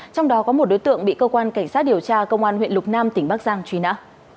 trong đó có một đối tượng bị cơ quan cảnh sát điều tra công an huyện lục nam tỉnh bắc giang truy nã